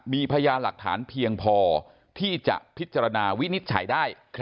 มีพยานหลักฐานเพียงพอที่จะพิจารณาวินิจฉัยได้